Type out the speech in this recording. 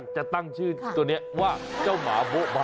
จะตั้งชื่อตัวนี้ว่าเจ้าหมาโบ๊เบา